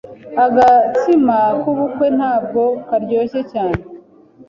Agatsima k'ubukwe ntabwo karyoshye cyane.